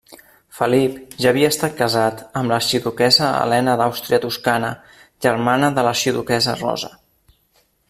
Felip ja havia estat casat amb l'arxiduquessa Helena d'Àustria-Toscana germana de l'arxiduquessa Rosa.